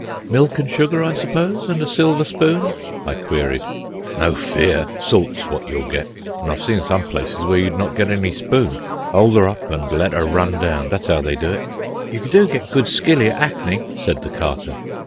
"Milk and sugar, I suppose, and a silver spoon?" I queried. "No fear. Salt's what you'll get, an' I've seen some places where you'd not get any spoon. 'Old 'er up an' let 'er run down, that's 'ow they do it." "You do get good skilly at 'Ackney," said the Carter.